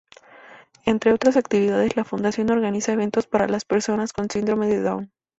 Entre otras actividades, la fundación organiza eventos para las personas con síndrome de Down.